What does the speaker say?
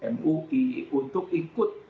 mui untuk ikut